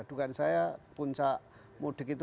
adukan saya puncak mudik itu